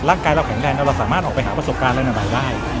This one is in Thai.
ร่างกายเราแข็งแรงเราสามารถออกไปหาประสบการณ์ในบ่ายได้